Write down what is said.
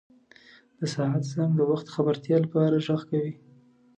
• د ساعت زنګ د وخت د خبرتیا لپاره ږغ کوي.